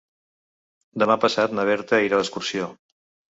Demà passat na Berta irà d'excursió.